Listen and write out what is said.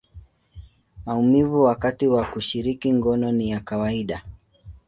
maumivu wakati wa kushiriki ngono ni ya kawaida.